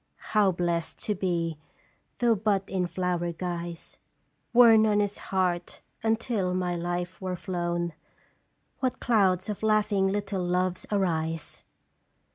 " How blest to be, though but in flower guise, Worn on his heart until my life were flown ! What clouds of laughing little Loves arise